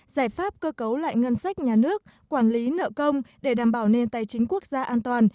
giải pháp cơ cấu lại ngân sách nhà nước quản lý nợ công để đảm bảo nền tài chính quốc gia an toàn